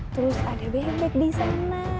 terus ada bebek di sana